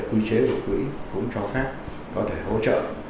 quy chế của quỹ cũng cho phép có thể hỗ trợ